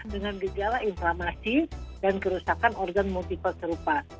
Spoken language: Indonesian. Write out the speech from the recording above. dengan gejala inflamasi dan kerusakan organ multiple serupa